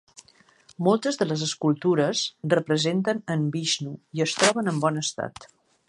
Moltes de les escultures representen en Vishnu i es troben en bon estat.